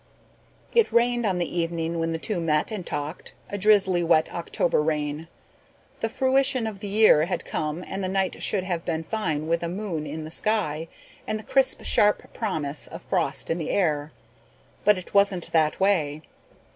It rained on the evening when the two met and talked, a drizzly wet October rain. The fruition of the year had come and the night should have been fine with a moon in the sky and the crisp sharp promise of frost in the air, but it wasn't that way.